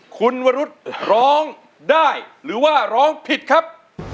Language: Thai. คุณวรุษร้องได้หรือว่าร้องผิดครับ